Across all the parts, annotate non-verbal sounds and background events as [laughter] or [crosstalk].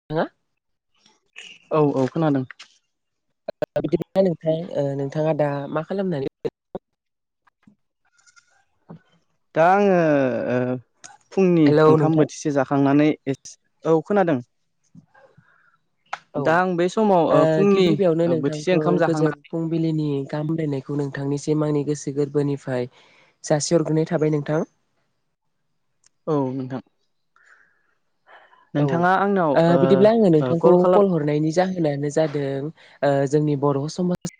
[unintelligible] औ औ खोनादों बिदिबा [unintelligible] नोंथां ओ नोंथाङा दा मा खालामनानै दा आङो ओ फुंनि हेलौ ओंखाम नोंथां बोथिसे जाखांनानै औ खोनादों औ ओ दा आं बे समाव ओ फुंनि गिबि गिबियावनो ओ बोथिसे नोंथांखौ ओंखाम गोजोन जाखांना फुंबिलिनि गाहाम हामलायनायखौ नोंथांनिसिम आंनि गोसो गोरबोनिफ्राय जासि हरग्रोनाय थाबाय नोंथां औ नोंथां औ नोंथाङा आंनाव ओ बिदिब्ला आङो ओ नोंथांखौ खालाम कल हरनायनि जा होनानो जादों ओ जोंनि बर' समाज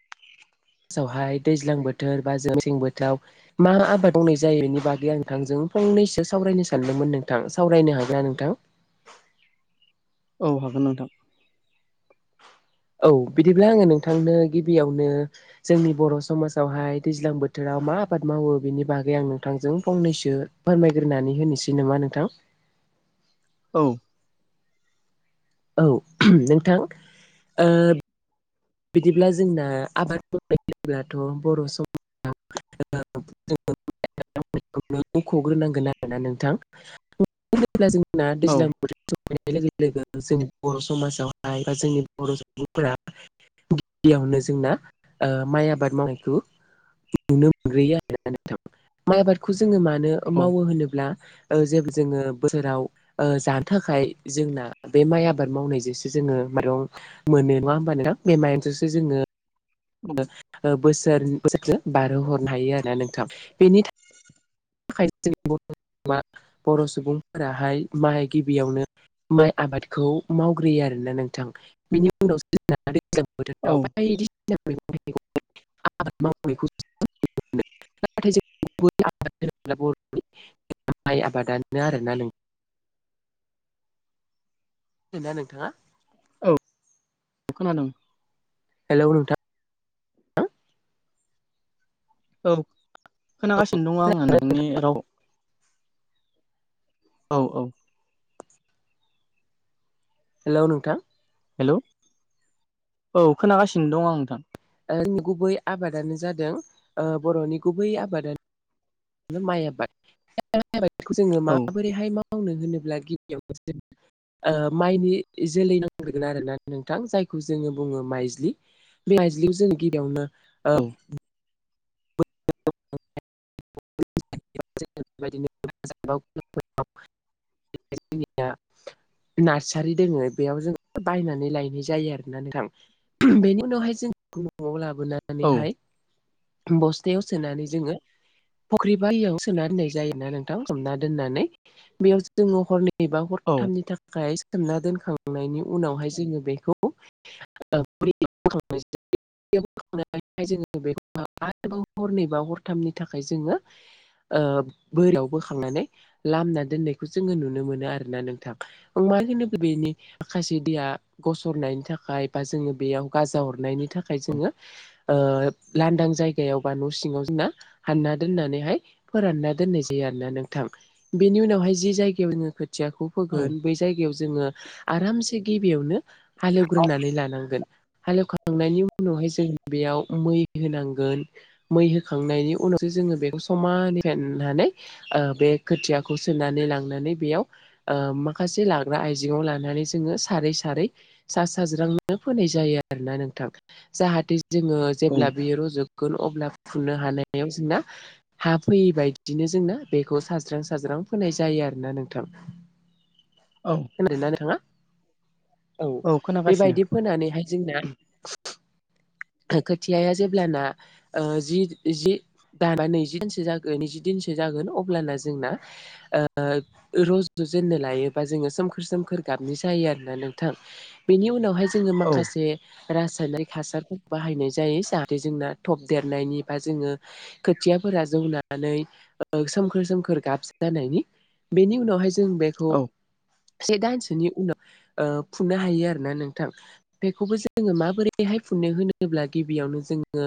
सावहाय दैज्लां बोथोर बा जों मेसें बोथोराव मा आबाद मावनाय जायो बेनि बागै आ नोंथांजों फंनैसो सावरायनो सानदोंमोन नोंथां सावरायनो हागोनना नोंथां? औ हागोन नोंथां। औ बिदिब्ला आङो नोंथांनो गिबियावनो जोंनि बर' समाजावहाय दैज्लां बोथोराव मा आबाद मावो बेनि बागै आं नोंथांजों फंनैसो फोरमायग्रोनानै होनोसै नामा नोंथां? औ औ नोंथां ओ बिदिब्ला जोंना आबाद मावानाय बुङोब्लाथ' बर' सम [unintelligible] [unintelligible] मुंखग्रोनांगोन आरोना नोंथां। [unintelligible] जोंना औ दैज्लां [unintelligible] लोगो लोगो जोंनि बर' समाजावहाय बा जोंनि बर' सुबुंफोरा गिबियावनो जोंना ओ माइ आबाद मावनायखौ नुनो [unintelligible] मोनग्रोयो आरोना नोंथां माइ आबादखौ जोङो मानो औ मावो होनोब्ला [unintelligible] ओ जेबो जोङो बोसोराव ओ जानो थाखाय जोंना बे माइ आबाद मावनायजोंसो जोङो माइरं मोनो नङा ओमबा नोंथां बे माइरंजोंसो जोङो ओ बोसोर बोसोर बारहो हरनो हायो आरोना नोंथां बेनि था [unintelligible] खायनो जोंनि बर' सुबुङा बर' सुबुंफोराहाय माहाय गिबियावनो [unintelligible] माइ आबादखौ मावग्रोयो आरोना नोंथां बेनि उनावसो जोंना दैज्लां औ बोथोराव बायदि [unintelligible] सिना मैगं थाइगंनि आबाद मावनायखौ नुनो मोनो नाथाय [unintelligible] [unintelligible] बर'नि माइ आबादानो आरोना नों खोनादोना नोंथाङा औ खोनादोंं हेलौ नोंथां औ खोनागासिनो दङ आङो नोंनि राव औ औ हेल' नोंथां हेल' औ खोनागासिनो दं आं नोंथां। ओ जोंनि गुबै आबादानो जादों ओ बर'नि गुबै आबादा माइ आबाद बे माइ आबादखौ जोङो औ माबोरैहाय मावनो होनोब्ला गिबियावनो जों ओ माइनि जोलै नांग्रोगोन आरोना नोंथां जायखौ जोङो बुङो माइज्लि। बे माइज्लिखौ जोङो गिबियावनो ओ औ [unintelligible] [inaudible] [unintelligible] नारचारि दोङो बेयाव जों बायनानै लायनाय जायो आरोना नोंथां। [unintelligible] बेनि उनावहाय जों न'वाव औ लाबोनानैहाय बस्थायाव सोनानै जोङो फख्रि बारियाव सोमना दोननाय जायोना नोंथां सोमना दोननानै बेयाव जोङो हरनै एबा औ हरथामनि थाखाय सोमना दोनखांनायनि उनावहाय जोङो बेखौ [unintelligible] हरनै बा हरथामनि थाखाय जोङो ओ बोरियाव बोखांनानै लामना दोननायखौ जोङो नुनो मोनो आरोना नोंथां। मा होनो बेनि माखासे दैया गसरनायनि थाखाय बा जोङो बेयाव गाजा अरनायनि थाखाय जोङो लांदां जायगायाव बा न' सिङाव जोंना हानना दोननानैहाय फोरानना दोननाय जायो आरोना नोंथां बेनि उनावहाय जि जायगायाव जोङो खोथियाखौ औ फोगोन बे जायगायाव जोङो आरामसे गिबियावनो हाले एवग्रोनानै लानांगोन हाले एवखांनायनि उनावहाय जों बेयाव मै होनांगोन मै होखांनायनि उनावसो जोङो बेखौ समानै फेननानै बे खोथियाखौ सोनानै लांनानै बेयाव माखासे लाग्रा आइजेंआव लानानै जोङो सारै सारै सा साज्रांनो फोनाय जायो आरोना नोंथां जाहाथे जोङो औ जेब्ला बेयो रजबगोन अब्ला फुननो हानायाव जोंना हा फैयिबायदिनो जोंना बेखौ साज्रां साज्रां फोनाय जायो आरोना नोंथां औ खोनादों ना नाङा औ बेबायदि फोनानैहाय जोंना खोथियाया जेब्लाना जि दाबा नैजि दिनसो जागोन नैजि दिनसो जागोन अब्लाना जोंना रज'जेननो लायोबा जोङो सोमखोर सोमखोर गाबनि जायो आरोना नोंथां बेनि उनावहाय जोङो औ माखासे रासायनिक हासारफोर बाहायनाय जायो जाहाथे जोंना थाब देरनायनि बा जोङो खोथियाफोरा जौनानै सोमखोर सोमखोर गाब जानायनि बेनि उनावहाय जों बेखौ औ से दानसोनि उनाव फोनो हायो आरोना नोंथां बेखौबो जोङो माबोरैहाय फोनो होनोब्ला गिबियावनो जोङो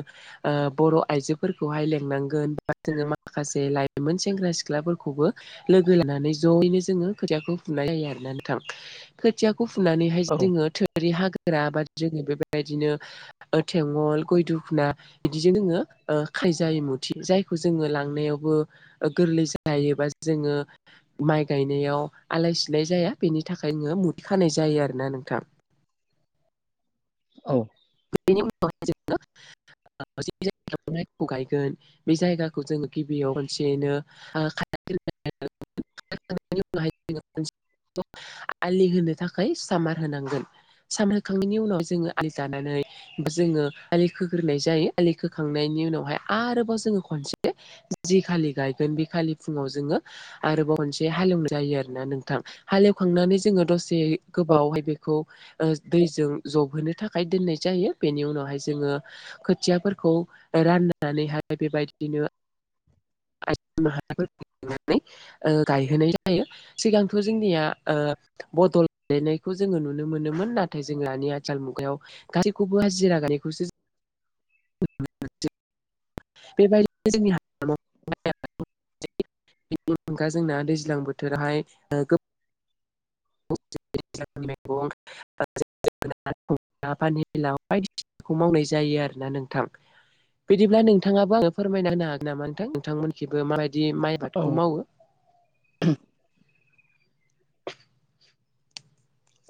बर' आइजोफोरखौहाय लेंनांगोन बा जोङो माखासे लाइमोन सेंग्रा सिख्लाफोरखौबो लोगो लानानै ज'यैनो जोङो खोथियाखौ फुनाय जायो आरोना नोंथां खोथियाखौ फुनानैहाय औ जोङो थोरि हाग्राा बा जोङो बेबायदिनो थेंगल गय घुखुना बिदिजों जोङो खायजाय मुथि जायखौ जोङो लांनायावबो गोरलै जायोबा जोङो माइ गायनायाव आलाय सिलाय जाया बेनि थाखाय नोङो मुथि खानाय जायो आरोना नोंथां औ बेनि उनाव जों [unintelligible] जि जायगायाव माइखौ गायगोन बे जायगाखौ जोङो गिबियाव खसेयैनो [unintelligible] [unintelligible] आलि होनो थाखाय सामार होनांगोन सान होखांनायनि उनाव जोङो आलि जानानै जोङो आलि खोग्रोनाय जायो आलि खोखांनायनि उनावहाय आरोबाव जोङो खनसे जि खालि गायगोन बे खालि फुङाव जोङो आरोबाव खनसे हालेएवनाय जायो आरोना नोंथां हालएवखांनानै जोङो दसे गोबावहाय बेखौ दैजों जबहोनो थाखाय आखाइ दोननाय जायो बेनि उनावहाय जोङो खोथियाफोरखौ राननानैहाय बेबायदिनो आइजो माहारिफोरखौ लानानै गायहोनाय जायो सिगांथ' जोंनिया बदल गायलायनायखौ जोङो नुनो मोनोमोन नाथाय जों दानि आथिखाल मुगायाव गासैखौबो हाजिरा गायनायखौसो [unintelligible] बेबायदिनो जोंनि हाय माइ आबाद [unintelligible] अनगा जोंना दैज्लां बोथोराव हाय बेंगल [unintelligible] पानिलााव बायदिसिनाखौ मावनाय जायो आरोना नोंथां बिदिब्ला नोंथाङाबो आङो फोरमायना होनो हागोन नामा नोंथां नोंथांमोनिथिंबो माबायदि माइ औ आबादखौ मावो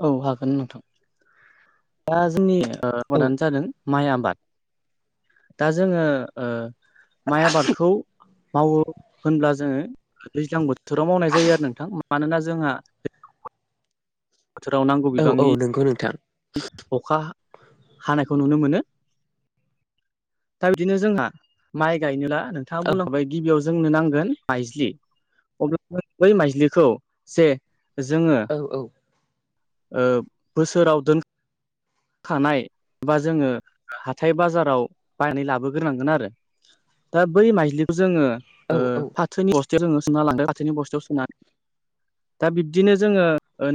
औ हागोन नोंथां दा जोंनि औ आबादानो जादों माइ आबाद दा जोङो ओ माइ आबादखौ मावो होनब्ला जोङो दैज्लां बो थोराव मावनाय जायो आरो नोंथां मानोना जोंहा बोथोराव नांगौ औ औ बिबांनि नंगौ नोंथां अखा हानायखौ नुनो मोनो दा बिदिनो जोंहा माइ गायनोला नोंथाङा औ बुंलांबाय गिबियाव जोंनो नांगोन माइज्लि अब्ला बै माइज्लिखौ जे जोङो औ-औ ओ बोसोराव दोन खानाय बा जोङो हाथाय बाजाराव बायनानै लाबोग्रोनांगोन आरो दा बै माइज्लिखौ जोङो औ फाथ फाथोनि बस्थायाव जोङो सोनानै लांदो फाथोनि बस्थायाव सोनानै दा बिबदिनो जोङो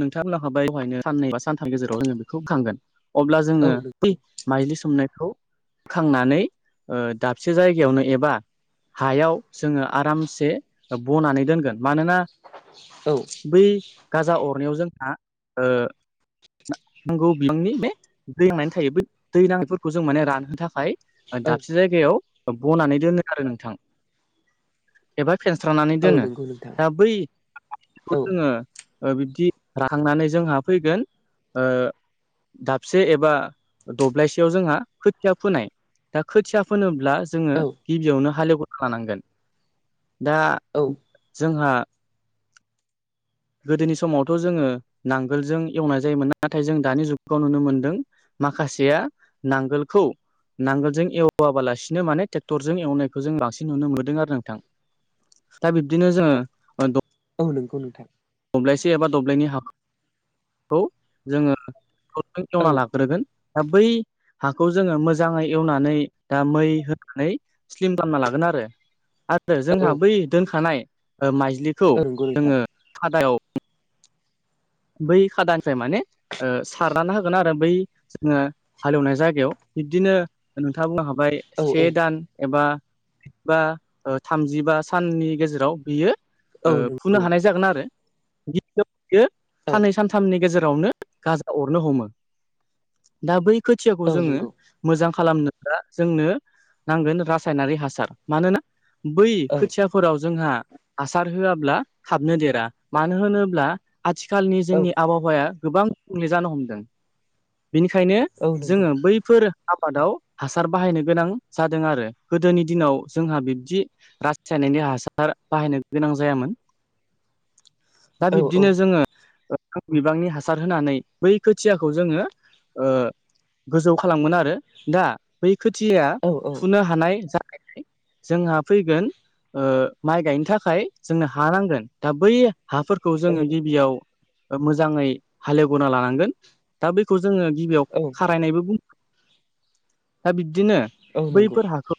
नोंथाङा बुंलां खा बाय दहायनो साननै बा सानथाम गेजेराव जोङो बेखौ बोखांगोन अब्ला औ जोङो बै माइलि सोमनायखौ बोखांनानै दाबसे जायगायावनो एबा हायाव जोङो आरामसे बनानै दोनगोन मानोना औ बै गाजा अरनायाव जोंहा नांगौ बिबांनि बे दै नांनानै थायो बे दै नांनायफोरखौ जों माने रानहोनो थाखाय औ दाबसे जायगायाव बनानै दोनो आरो नोंथां एबा फेनस्रानानै औ दोनो नंगौ नोंथां दा औ बैखौ जोङो बिदि थांनानै जोंहा फैगोन दाबसे एबा दब्लायसेयाव जोंहा खोथिया फोनाय दा खोथिया फोनोब्ला जोङो औ गिबियावनो हाले एवग्रोनो लानांगोन दा औ जोंहा गोदोनि समावथ' जोङो नांगोलजों एवनाय जायोमोन नाथाय जों दानि जुगाव नुनो मोनदों माखासेया नांगोलखौ नांगोलजों एवाबालासिनो माने ट्रेक्टरजों एवनायखौ जों बांसिन नुनो मोनदों आरो नोंथां दा बिब्दिनो जोङो औ नंगौ नोंथां दब्लायसे एबा दब्लायनै हाखौ जोङो औ एवना लाग्रोगोन दा बै हाखौ जोङो मोजाङै एवनानै दा मै होनानै स्लिम बानायना लागोन आरो आरो औ जोंहा बै दोनखानाय माइज्लिखौ औ नंगौ नोंथां जोङो खादायाव बै खादानिफ्राय माने सारनानै होगोन आरो बै जोङो हाले एवनाय जायगायाव बिब्दिनो नोंथाङा बुंलां खाबाय औ से औ दान एबा बा थामजिबा साननि गेजेराव बियो औ ओ फुनो नंगौ हानाय जागोन आरो गि बियो औ साननै सानथामनि गेजेरावनो गाजा अरनो हमो दा बै खोथियाखौ औ जोङो नंगौ मोजां खालामनोब्ला जोंनो नांगोन रासायनारि हासार मानोना बै औ खोथियाफोराव जोंहा हासार होआब्ला थाबनो देरा मानो होनोब्ला आथिखालनि औ जोंनि आबहावाया गोबां गुबुंले जानो हमदों बेनिखायनो औ नंगौ जोङो बै फोर आबादाव हासार बाहायनो गोनां जादों आरो गोदोनि दिनाव जोंहा बिब्दि रासायनारि हासार बाहायनो गोनां जायामोन दा औ औ बिब्दिनो जोङो [unintelligible] बिबांनि हासार होनानै बै खोथियाखौ जोङो गोजौ खालामगोन आरो दा बै खोथिया औ फुनो हानाय जा खाय जोंहा फैगोन माइ गायनो थाखाय जोंनो हा नांगोन दा बै हाफोरखौ जोङो गिबियाव मोजाङै हाले एवग्रोना लानांगोन दा बेखौ जोङो गिबियाव औ खारायनायबो बु दा बिब्दिनो औ नंगौ बैफोर हाखौ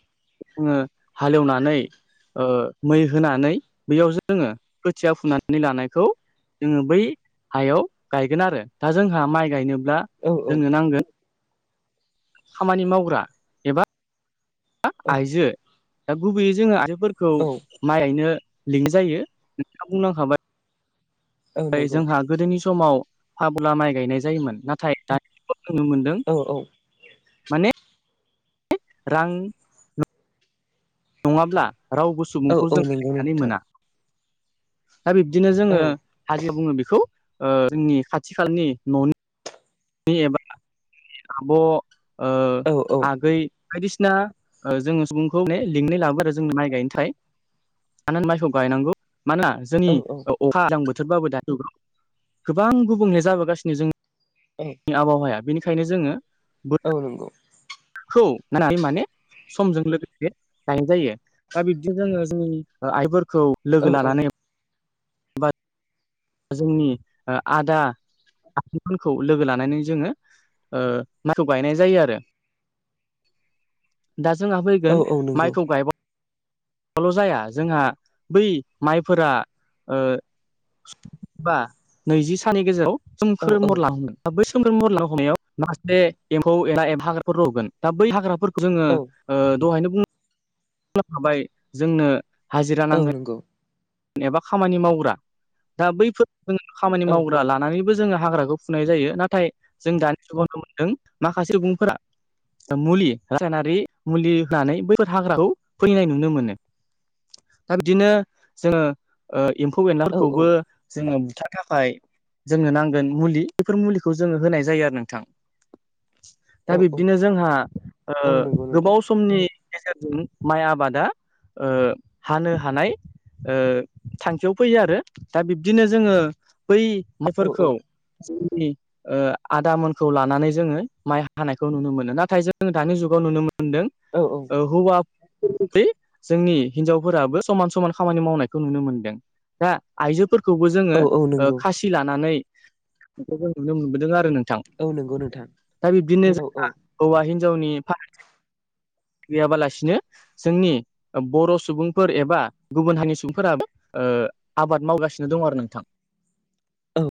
जोङो हाल एवनानै ओ मै होनानै बैयाव जोङो खोथिया फुनानै लानायखौ जोङो बै हायाव गायगोन आरो दा जोंहा माइ गायनोब्ला औ औ जोंनो नांगोन खामानि मावग्रा एबा आइजो दा गुबैयै जोङो आइजोफोरखौ औ माइ गायनो लिंनाय जायो नोंथाङा बुंलांखाबाय नंगौ जोंहा गोदोनि समाव फाबुला माइ गायनाय जायोमोन नाथाय दानि दिनाव जों नुनो मोनदों औ औ माने रां नङाब्ला रावबो औ सुबुंखौ जों नंगौ लेंनानै नोंथां मोना दा बिब्दिनो औ जोङो हाजोआव बुङो बेखौ जोंनि खाथि खालानि न'नि नि एबा आब' औ औ आगै बायदिसिना जोङो सुबुंखौ माने लिंनाय लाबो आरो जों माइ गायनोथाय [unintelligible] माइखौ गायनांगौ मानोना जोंनि औ अखा गोजां बोथोरबाबो दाथ' गोबां गुबुंले जाबोगासिनो जों औ आबहावाया बेनिखायनो जोङो औ नंगौ खौ होननानै माने समजों लोगोसे गायनाय जायो दा बिब्दि जोङो जोंनि आइफोरखौ औ लोगो लानानै बा जोंनि आदा आबमोनखौ लोगो लानानै जोङो माइखौ गायनाय जायो आरो दा जोंहा औ फैगोन नंगौ औ नंगौ माइखौ ल' जाया जोंहा बै माइफोरा जिबा नैजि सानि गेजेराव औ सोमखोर महर लालांगोन दा बै सोमखोर महर लाहांनायाव माखासे एम्फौ एनला एबा हाग्राफोर रजगोन दा बै हाग्राफोरखौ खौ जोंङो औ दहायनो बुंलांखाबाय जोंनो हाजिरा औ नांगोन नंगौ एबा खामानि मावग्रा दा बैफोर जों खामानि मावग्रा लानानै जोङो हाग्राखौ फुनाय जायो नाथाय जों दानि जुगावनो मोनदों माखासे सुबुंफोरा मुलि रासायनारि मुलि होननानै बैफोर हाग्राखौ फोथैनाय नुनो मोनो दा बिदिनो जोङो एम्फौ एनलाफोरखौबो जोङो बुथारनो थाखाय जोंनो नांगोन मुलि बेफोर मुलिखौ जोङो होनाय जायो आरो नोंथां दा बिब्दिनो जोंहा नोंथां गोबाव समनि गेजेरजों माइ आबादा हानो हानाय ओ थांखियाव फैयो आरो दा बिब्दिनो जोङो बै औ मायफोरखौ जोंनि आदामोनखौ लानानै जोङो माइ हानायखौ नुनो मोनो नाथाय जों दानि जुगाव नुनो मोनदों औ-औ हौवा जोंनि हिनजावफोराबो समान समान खामानि मावनायखौ नुनो मोनदों दा आइजोफोरखौबो जोङो औ नंगौ औ खासि लानानै बे नुनो मोनबोदों आरो नोंथां औ नंगौ नोंथां दा बिब्दिनो औ-औ जोंहा हौवा हिनजावनि फारागथि गैयाबालासिनो जोंनि बर' सुबुंफोर एबा गुबुन हारि सुबुंफोराबो आबाद मावगासिनो दं आरो नोंथां औ